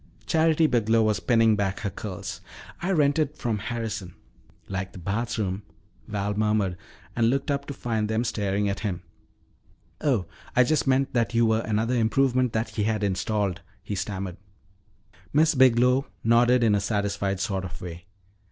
Charity Biglow was pinning back her curls. "I rented from Harrison." "Like the bathroom," Val murmured and looked up to find them staring at him. "Oh, I just meant that you were another improvement that he had installed," he stammered. Miss Biglow nodded in a satisfied sort of way.